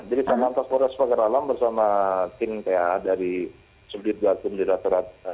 jadi sama pasporas pagar alam bersama tim pa dari sudir gatun liraterat